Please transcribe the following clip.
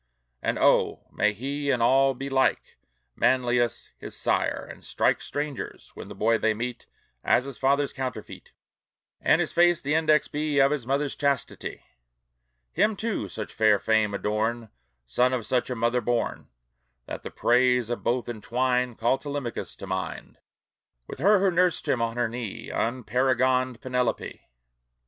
And oh! may he in all be like Manlius his sire, and strike Strangers, when the boy they meet, As his father's counterfeit, And his face the index be Of his mother's chastity! Him, too, such fair fame adorn, Son of such a mother born, That the praise of both entwined Call Telemachus to mind, With her who nursed him on her knee, Unparagoned Penelope!